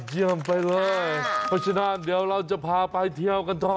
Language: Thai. เยี่ยมไปเลยเพราะฉะนั้นเดี๋ยวเราจะพาไปเที่ยวกันต่อ